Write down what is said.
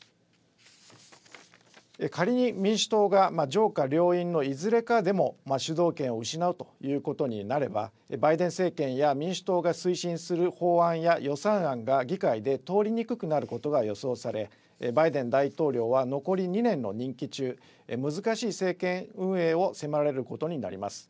仮に民主党が上下両院のいずれかでも主導権を失うということになればバイデン政権や民主党が推進する法案や予算案が議会で通りにくくなることが予想されバイデン大統領は残り２年の任期中、難しい政権運営を迫られることになります。